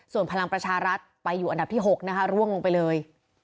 ส่วนพลังประชารัฐไปอยู่อันดับที่๖นะคะร่วงลงไปเลย